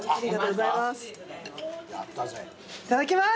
いただきます。